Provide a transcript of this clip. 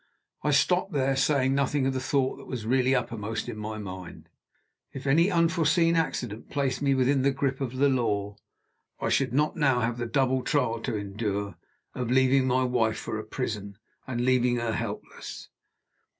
I stopped there, saying nothing of the thought that was really uppermost in my mind. If any unforeseen accident placed me within the grip of the law, I should not now have the double trial to endure of leaving my wife for a prison, and leaving her helpless.